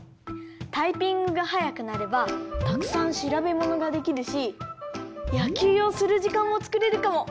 タイピングがはやくなればたくさんしらべものができるしやきゅうをするじかんもつくれるかも。